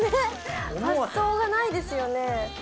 発想がないですよね。